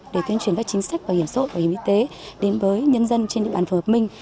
để tuyên truyền các chính sách bảo hiểm xã hội bảo hiểm y tế đến với nhân dân trên địa bàn phù hợp minh